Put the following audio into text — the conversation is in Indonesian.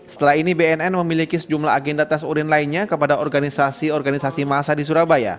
setelah ini bnn memiliki sejumlah agenda tes urin lainnya kepada organisasi organisasi masa di surabaya